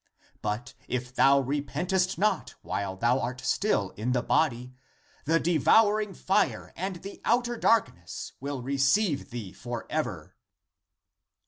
But if thou repentest not while thou art still in the body, the devouring fire and the outer darkness will receive thee for ever."